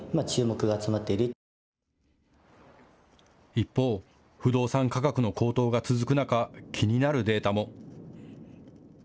一方、不動産価格の高騰が続く中、気になるデータも。